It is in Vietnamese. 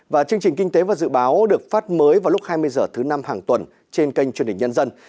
và chương trình kinh tế và dự báo được phát mới vào lúc hai mươi h thứ năm hàng tuần trên kênh truyền hình nhân dân